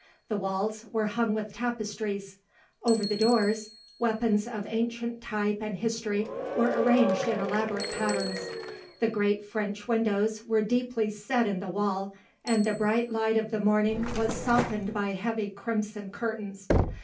The walls were hung with tapestries; over the doors weapons of ancient type and history were arranged in elaborate patterns. The great French windows were deeply set in the wall, and the bright light of the morning was softened by heavy crimson curtains.